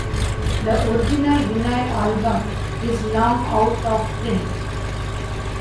The original vinyl album is long out of print.